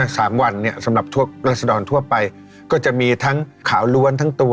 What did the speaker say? สามวันสำหรับราชดรทั่วไปก็จะมีทั้งขาวล้วนทางตัว